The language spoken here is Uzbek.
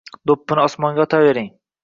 do‘ppini osmonga otavering.